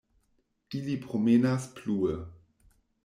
Ili promenas plue.